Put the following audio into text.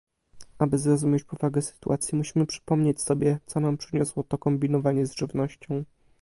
Aby zrozumieć powagę sytuacji, musimy przypomnieć sobie, co nam przyniosło to kombinowanie z żywnością